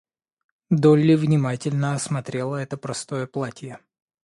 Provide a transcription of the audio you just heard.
Долли внимательно осмотрела это простое платье.